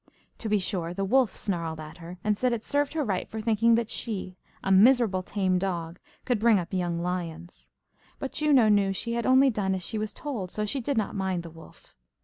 To be sure, the wolf snarled at her, and said it served her right for thinking that she, a miserable tame dog, could bring up young lions. But Juno knew she had only done as she was told, so she did not mind the wolf.